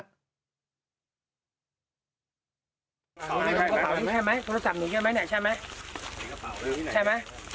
กระเป๋าที่ไหนค่ะมันใช่ไหม